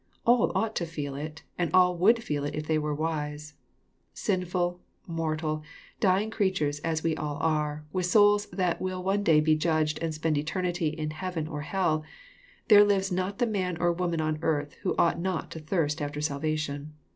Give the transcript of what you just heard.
All ought to feel it, and all would feel it if they were wise. I Sinful, mortal, dying creatures as we all are, with souls ' that will one day be judged and spend eternity in heaven or hell, there lives not the man or woman on earth who ought not to "thirst" after salvation.